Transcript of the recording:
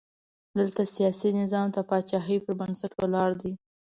دلته سیاسي نظام د پاچاهۍ پر بنسټ ولاړ دی.